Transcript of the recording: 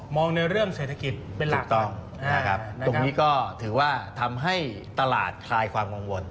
ในเรื่องเศรษฐกิจเป็นหลักถูกต้องนะครับตรงนี้ก็ถือว่าทำให้ตลาดคลายความกังวล